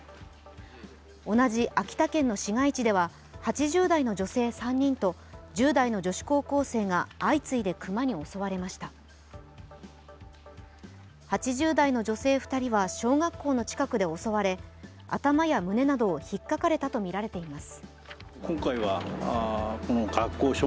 同じ秋田県の市街地では８０代の女性３人と、１０代の女子高校生が相次いで熊に襲われました８０代の女性２人は小学校の近くで襲われ頭や胸などをひっかかれたとみられています。